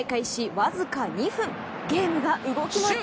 わずか２分ゲームが動きます。